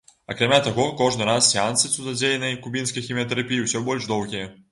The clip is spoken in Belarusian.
Акрамя таго, кожны раз сеансы цудадзейнай кубінскай хіміятэрапіі ўсё больш доўгія.